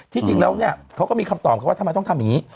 จริงแล้วเนี่ยเขาก็มีคำตอบเขาว่าทำไมต้องทำอย่างนี้